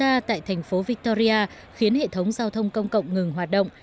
ngày một mươi tháng một mươi hai năm thành phố victoria khiến hệ thống giao thông công cộng ngừng hoạt động